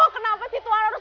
kenapa sih tuhan harus